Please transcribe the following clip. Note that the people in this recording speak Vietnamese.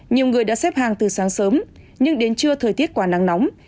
nhiều người đã xếp hàng từ sáng sớm nhưng đến trưa thời tiết quá nắng nóng